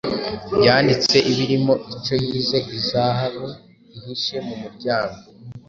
yanditse ibirimo ico yise ‘Izahabu ihishe mu muryango’